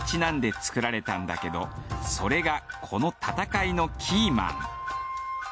作られたんだけどそれがこの戦いのキーマン。